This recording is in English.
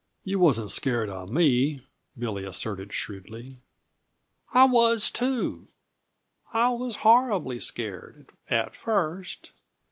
Yuh wasn't scared of me," Billy asserted shrewdly. "I was too! I was horribly scared at first.